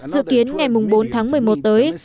dự kiến ngày bốn tháng một mươi một tới